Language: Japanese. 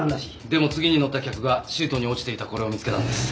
でも次に乗った客がシートに落ちていたこれを見つけたんです。